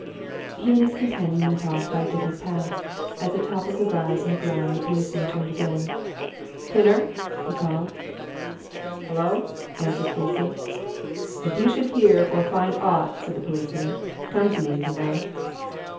He and his companion went off by a different path; at the top of a rise in the ground the policeman turned again. "Tinner!" he called. "Hullo?" answered Creasy. "If you should hear or find aught," said the policeman, "come to me, you know."